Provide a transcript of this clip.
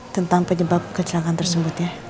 tentang penyebab kecelakaan tersebut ya